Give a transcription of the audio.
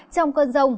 trong cơn rông